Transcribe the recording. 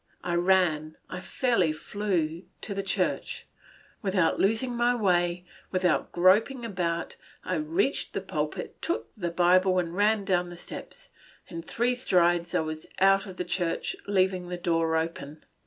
I ran, I fairly flew, to the church; without losing my way, without groping about, I reached the pulpit, took the Bible, and ran down the steps. In three strides I was out of the church, leaving the door open.